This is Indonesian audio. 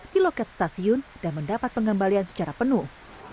di loket stasiun dan mendapat pengembalian secara penuh